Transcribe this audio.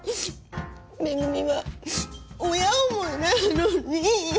めぐみは親思いなのに。